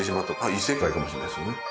異世界かもしれないですよね。